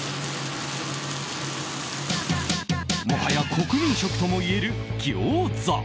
もはや国民食ともいえるギョーザ。